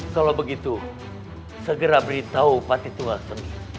kalau begitu segera beritahu pati tua sengi